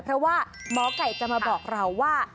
เพราะว่าหมอไก่จะมาบอกเราว่า